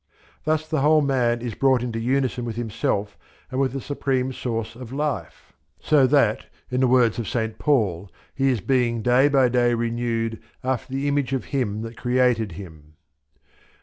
Thus the whole man is brought into unison with himself and with the Supreme Source of Life, so that, in the words of St. Paul, he is being day by day renewed after the image of Him that created him.